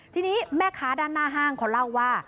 ทีนี้แม่ค้าด้านหน้าห้างเขาเล่าว่า